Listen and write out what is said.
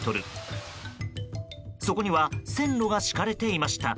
そこには線路が敷かれていました。